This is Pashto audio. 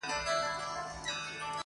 او شراب شراب شراب زه تمثيل د زنکدن